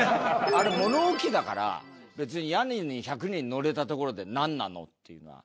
あれ物置だから別に屋根に１００人乗れたところでなんなの？っていうのは。